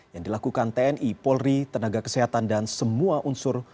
yang dilakukan tni polri tenaga kesehatan dan semua unsur